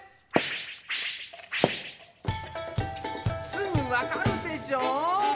すぐわかるでしょ？